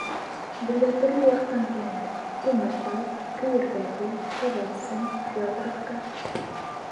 Беҙгә төрлө яҡтан киләләр: Күмертау, Көйөргәҙе, Күгәрсен, Федоровка...